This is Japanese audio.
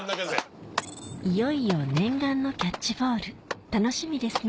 いよいよ念願のキャッチボール楽しみですね